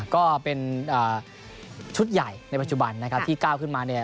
ก็เป็นชุดใหญ่ในปัจจุบันนะครับที่ก้าวขึ้นมาเนี่ย